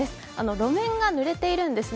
路面がぬれているんですね。